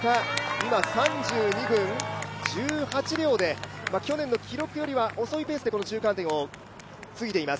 今３２分１８秒で、去年の記録よりは遅いペースで中間点を過ぎています。